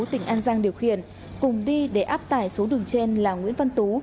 tỉnh an giang điều khiển cùng đi để áp tải số đường trên là nguyễn văn tú